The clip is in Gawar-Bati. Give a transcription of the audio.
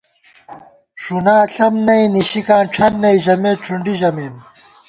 “ݭُنا ݪم نئ نِشِکاں ڄَھن نئ” ژمېت ݭُنڈی ژمېم